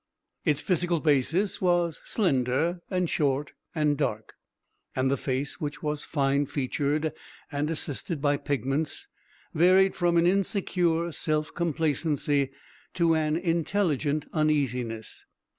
Its physical basis was slender, and short, and dark; and the face, which was fine featured and assisted by pigments, varied from an insecure self complacency to an intelligent uneasiness.